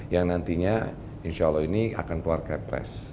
yang nantinya insya allah ini akan keluar ke press